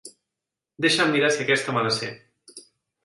Deixa'm mirar si aquesta me la sé.